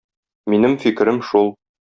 Минем фикерем шул.